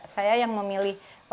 saya yang memilih